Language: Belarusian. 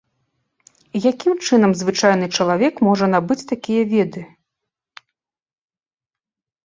Якім чынам звычайны чалавек можа набыць такія веды?